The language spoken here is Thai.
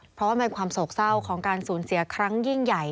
เพราะว่าเป็นความโศกเศร้าของการสูญเสียครั้งยิ่งใหญ่